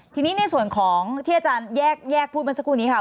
ทีนี้ในส่วนของที่อาจารย์แยกพูดมาสักครู่นี้ค่ะ